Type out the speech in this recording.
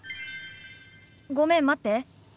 ごめん待って。